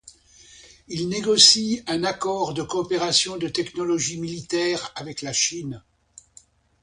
Il négocie un accord de coopération de technologie militaire avec la Chine.